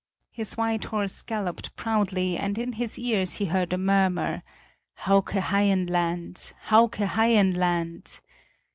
His white horse galloped proudly and in his ears he heard a murmur: "Hauke Haien land! Hauke Haien land!"